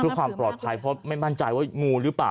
เพื่อความปลอดภัยเพราะไม่มั่นใจว่างูหรือเปล่า